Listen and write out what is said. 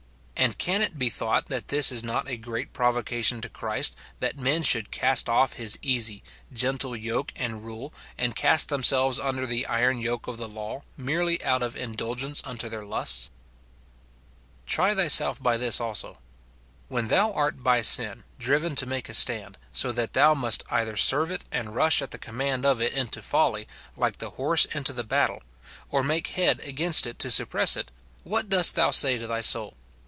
And can it he thought that this is not a great provocation to Christ, that men should cast off his easy, gentle yoke and rule, and cast themselves under the iron yoke of the law, merely out of indulgence unto their lusts ? Try thyself by this also : When thou art by sin driven to make a stand, so that thou must either serve it and rush at the command of it into folly, like the horse into the battle, or make head against it to suppress it, what dost thou say to thy soul